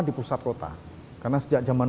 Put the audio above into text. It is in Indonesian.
di pusat kota karena sejak zaman